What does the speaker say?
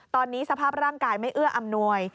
ตอนนี้สภาพร่างกายไม่เอื้ออำนวย